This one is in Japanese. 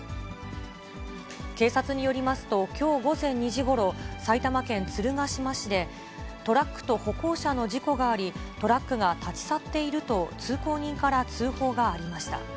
警察によりますと、きょう午前２時ごろ、埼玉県鶴ヶ島市で、トラックと歩行者の事故があり、トラックが立ち去っていると通行人から通報がありました。